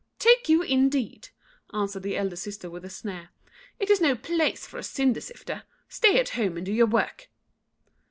"Take you, indeed!" answered the elder sister, with a sneer; "it is no place for a cinder sifter: stay at home and do your work."